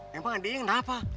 loh emang adeknya kenapa